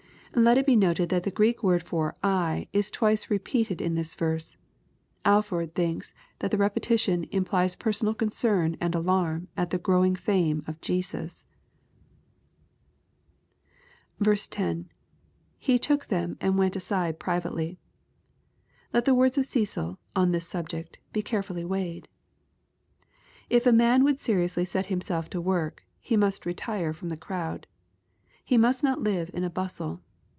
] Let it be noted that the Greek word for " I," is twice repeated in this verse. Alford thinks that the repetition "implies personal concern and alarm at the growing fame of Jesus," ID. — [He took ihem and went aside privately,] Let tie words of Cecil, on this subject, be carefully weighed "K a man would seriously set himself to work, he must retire from the crowd. He must not live in a bustle.